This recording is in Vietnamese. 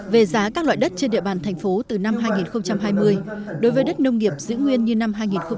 về giá các loại đất trên địa bàn thành phố từ năm hai nghìn hai mươi đối với đất nông nghiệp giữ nguyên như năm hai nghìn một mươi chín